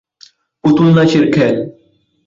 পুতুল নাচের খেল।